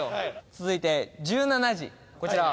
続いて１７時こちら。